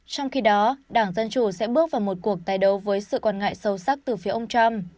trong khi đó đảng dân chủ sẽ bước vào một cuộc tái đấu với sự quan ngại sâu sắc từ phía ông trump